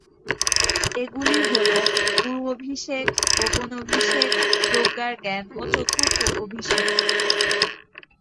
এগুলি হল গুরু অভিষেক, গোপন অভিষেক, প্রজ্ঞার জ্ঞান ও চতুর্থ অভিষেক।